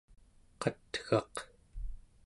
qat'gaq